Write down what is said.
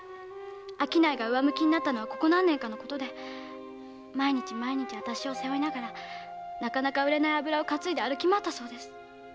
商いが上向きになったのはここ何年かのことで毎日毎日私を背負いなかなか売れない油を担いで歩き回ったそうです。